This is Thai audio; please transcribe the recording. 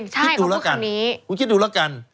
คุณคิดดูแล้วกัน